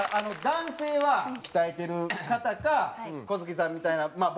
男性は鍛えてる方か小杉さんみたいなまあ